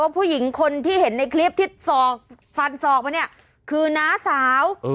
ว่าผู้หญิงที่เห็นในคลิปที่สอกฟันสอกว่านี้คือน้าสาว